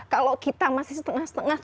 kalau kita masih setengah setengah